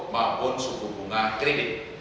maupun suku bunga kredit